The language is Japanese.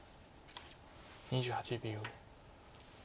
２８秒。